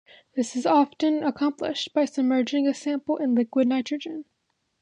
This is often accomplished by submerging a sample in liquid nitrogen.